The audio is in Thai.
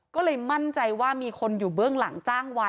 ก็เลยมั่นใจว่ามีคนอยู่เบื้องหลังจ้างวัน